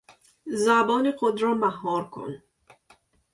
زبان خود را مهار کن!